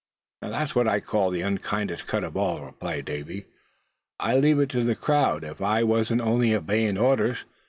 "Now that's what I call the unkindest cut of all," replied Davy. "I leave it to the crowd if I wasn't only obeyin' orders?